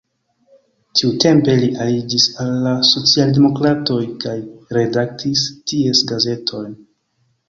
Tiutempe li aliĝis al la socialdemokratoj kaj redaktis ties gazeton.